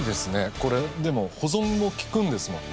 これでも保存も利くんですもんね。